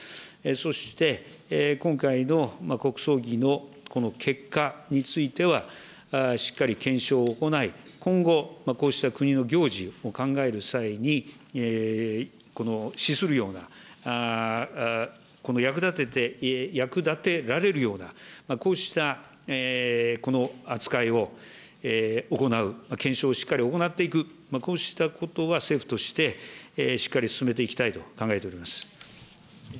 そして、今回の国葬儀のこの結果については、しっかり検証を行い、今後、こうした国の行事を考える際に、資するようなこの役立てられるような、こうした扱いを行う、検証をしっかり行っていく、こうしたことは政府として、しっかり進めていきたいと考えております。